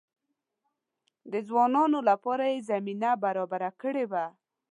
د ځوانانو لپاره یې زمینه برابره کړې وه.